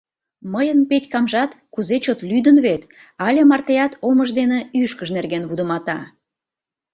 Мыйын Петькамжат кузе чот лӱдын вет — але мартеат омыж дене ӱшкыж нерген вудымата.